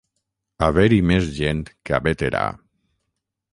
Haver-hi més gent que a Bétera.